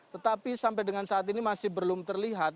tetapi sampai dengan saat ini masih belum terlihat